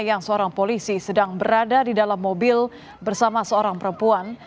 yang seorang polisi sedang berada di dalam mobil bersama seorang perempuan